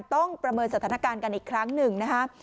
ประเมินสถานการณ์กันอีกครั้งหนึ่งนะคะ